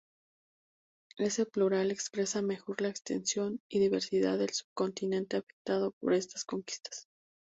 Ese plural expresa mejor la extensión y diversidad del subcontinente afectado por estas conquistas.